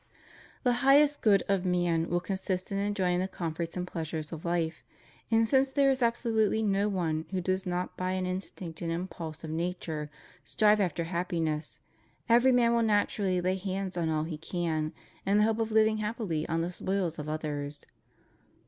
The highest good of man wi.ll con sist in enjoying the comforts and pleasures of life, and since there is absolutely no one who does not by an in stinct and impulse of nature strive after happiness, every man will naturally lay hands on all he can in the hope of living happily on the spoils of others.